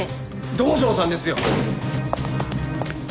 道上さんですよ！